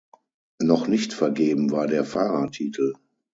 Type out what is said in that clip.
Noch nicht vergeben war der Fahrertitel.